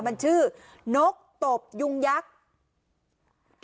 มันชื่อนกตบยุงยักษ์